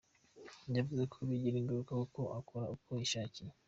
Yavuze ko bigira ingaruka kuko akora uko yishakiye.